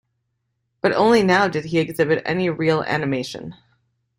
But only now did he exhibit any real animation.